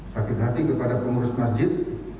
sakit hati kepada pengurus masjid